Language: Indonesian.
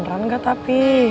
beneran gak tapi